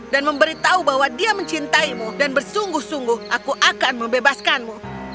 dan memberitahu bahwa dia mencintaimu dan bersungguh sungguh aku akan membebaskanmu